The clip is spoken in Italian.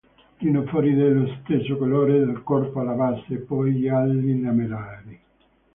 Rinofori dello stesso colore del corpo alla base, poi gialli, lamellari.